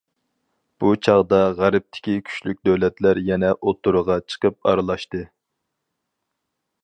بۇ چاغدا غەربتىكى كۈچلۈك دۆلەتلەر يەنە ئوتتۇرىغا چىقىپ ئارىلاشتى.